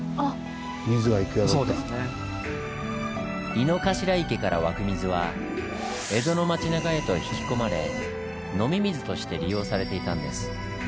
井の頭池から湧く水は江戸の町なかへと引き込まれ飲み水として利用されていたんです。